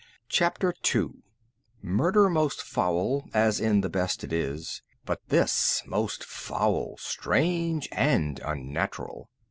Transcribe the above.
CHAPTER 2 _Murder most foul, as in the best it is; But this most foul, strange and unnatural.